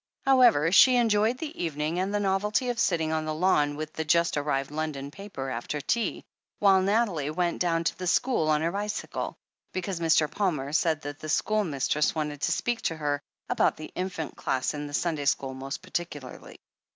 However, she enjoyed the evening, and the novelty of sitting on the lawn with the just arrived London paper after tea, while Nathalie went down to the school on her bicycle, because Mr. Palmer said that the school mistress wanted to speak to her about the infant class in the Sunday school most particularly.